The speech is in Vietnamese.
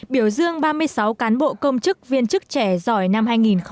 biểu dương ba mươi sáu cán bộ công chức viên chức trẻ giỏi năm hai nghìn một mươi chín